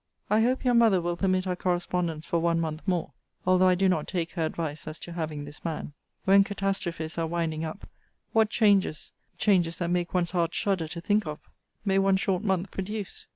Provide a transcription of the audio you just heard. I hope your mother will permit our correspondence for one month more, although I do not take her advice as to having this man. When catastrophes are winding up, what changes (changes that make one's heart shudder to think of,) may one short month produce?